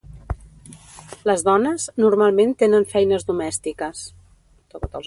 Les dones, normalment tenen feines domèstiques.